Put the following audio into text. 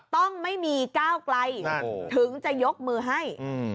ต้องไม่มีก้าวไกลถึงจะยกมือให้